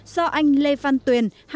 do anh lê văn tuyền